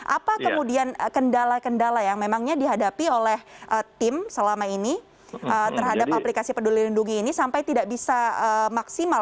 apa kemudian kendala kendala yang memangnya dihadapi oleh tim selama ini terhadap aplikasi peduli lindungi ini sampai tidak bisa maksimal